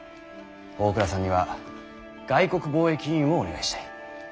大倉さんには外国貿易委員をお願いしたい。